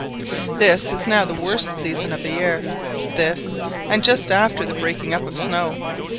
This is now the worst season of the year; this, and just after the breaking up of the snow.